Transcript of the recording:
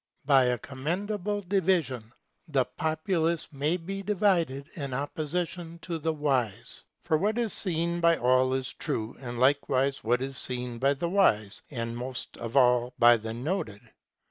By a commendable division the populace may be divided in opposition to the wise. For what is seen by all is true, and likewise what is seen by the wise, and most of all by the noted.